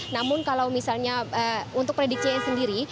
namun kalau misalnya untuk prediksinya sendiri